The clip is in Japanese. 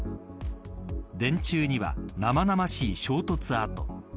電柱には生々しい衝突跡。